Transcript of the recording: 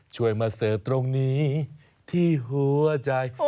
ช่วยมาเสิร์ฟตรงนี้ที่หัวใจ